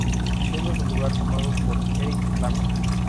Siendo su lugar tomado por Eric Lambert.